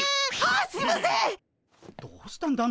どうしたんだ？